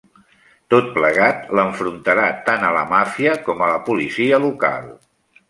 Tot plegat l'enfrontarà tant a la màfia com a la policia local.